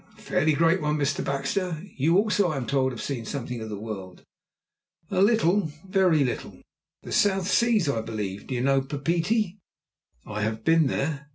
"A fairly great one, Mr. Baxter. You also, I am told, have seen something of the world." "A little very little." "The South Seas, I believe. D'you know Papeete?" "I have been there."